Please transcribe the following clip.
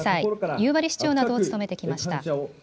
夕張市長などを務めてきました。